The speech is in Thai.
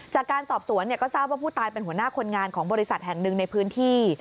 จากการสอบสวนก็ทราบว่าผู้ตายเป็นหัวหน้าคนงานของบริษัทแห่งหนึ่งในพื้นที่